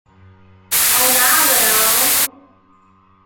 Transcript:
And I will.